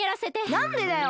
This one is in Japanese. なんでだよ